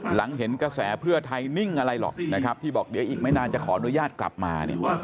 หลังเห็นกระแสเพื่อไทยนิ่งอะไรหรอกนะครับที่บอกเดี๋ยวอีกไม่นานจะขออนุญาตกลับมาเนี่ย